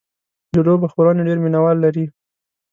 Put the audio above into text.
د لوبو خپرونې ډېر مینهوال لري.